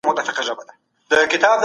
خلګ د دې شورا غړي ټاکي.